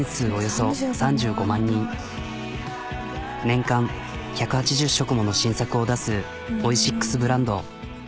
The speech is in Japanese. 年間１８０食もの新作を出すオイシックスブランド。